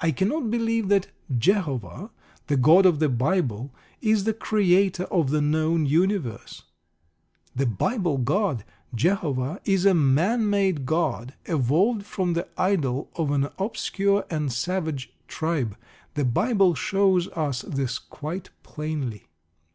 I cannot believe that Jehovah, the God of the Bible, is the Creator of the known universe. The Bible God, Jehovah, is a man made God, evolved from the idol of an obscure and savage tribe. The Bible shows us this quite plainly.